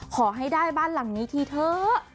ขอให้ได้บ้านหลังนี้ทีเถอะ